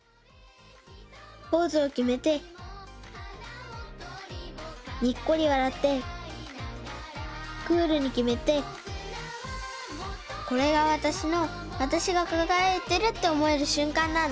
ポーズをきめてにっこりわらってクールにきめてこれがわたしのわたしがかがやいてるっておもえるしゅんかんなんだ。